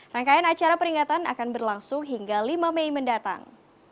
rangkaian acara peringatan akan berlangsung hingga lima mei mendatang